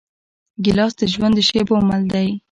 ګیلاس د ژوند د شېبو مل دی.